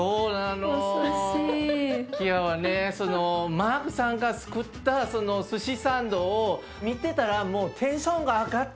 マークさんがつくったすしサンドを見てたらもうテンションが上がった。